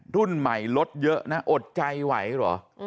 รุ่นใหม่ลดเยอะนะอดใจไหวเหรอ